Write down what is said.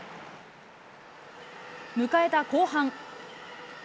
迎えた後半。